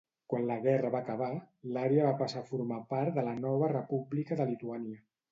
Quan la guerra va acabar, l'àrea va passar a formar part de la nova República de Lituània.